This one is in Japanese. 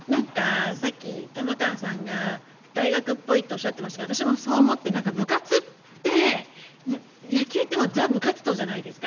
さっき玉川さんが大学っぽいとおっしゃっていましたが私もそう思って部活って、野球ってザ・部活動じゃないですか。